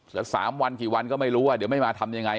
แล้ว๓วันกี่วันก็ไม่รู้ว่าเดี๋ยวไม่มาทำยังไง